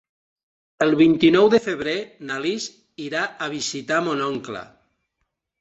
El vint-i-nou de febrer na Lis irà a visitar mon oncle.